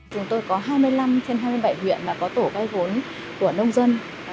chúng tôi có hai mươi năm trên hai mươi bảy huyện có tổ vay vốn của nông dân